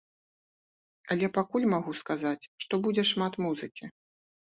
Але пакуль магу сказаць, што будзе шмат музыкі.